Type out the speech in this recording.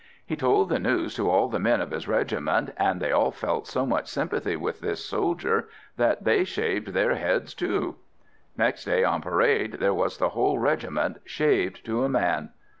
He told the news to all the men of his regiment, and they all felt so much sympathy with this soldier that they shaved their heads too. Next day on parade, there was the whole regiment shaved to a man.